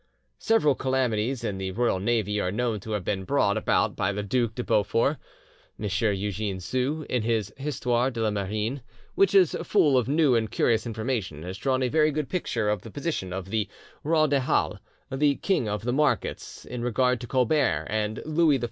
Several calamities in the royal navy are known to have been brought about by the Duc de Beaufort. M. Eugene Sue, in his 'Histoire de la Marine', which is full of new and curious information, has drawn a very good picture of the position of the "roi des halles," the "king of the markets," in regard to Colbert and Louis XIV.